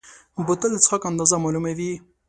بوتل د څښاک اندازه معلوموي.